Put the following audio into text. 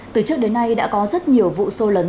từ trước đến nay đã có rất nhiều vụ sô lấn